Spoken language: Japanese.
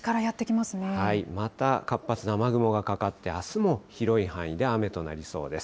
また活発な雨雲がかかって、あすも広い範囲で雨となりそうです。